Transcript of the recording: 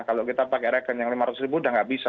kalau kita pakai rekening yang lima ratus ribu udah nggak bisa